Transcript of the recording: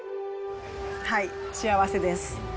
はい、幸せです。